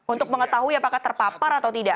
untuk mengetahui apakah terpapar atau tidak